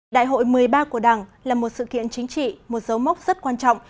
đại hội một mươi ba của đảng là một sự kiện chính trị một dấu mốc rất quan trọng